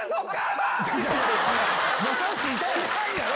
知らんやろ！